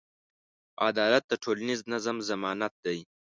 عدالت د ټولنیز نظم ضمانت دی.